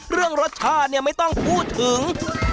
เรื่องรสชาติเนี่ยไม่ต้องพูดถึง